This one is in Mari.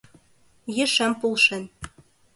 — Ешем полшен.